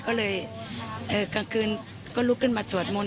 ก็เลยกลางคืนก็ลุกขึ้นมาสวดมนต